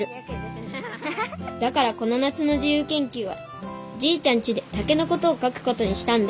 だからこの夏のじゆうけんきゅうはじいちゃんちで竹のことを書くことにしたんだ